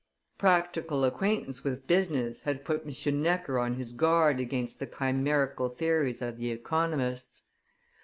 Practical acquaintance with business had put M. Necker on his guard against the chimerical theories of the economists.